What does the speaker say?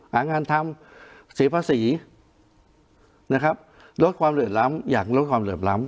หางานทำเสียภาษีนะครับลดความเหลื่อมล้ำอย่างลดความเหลื่อมล้ำ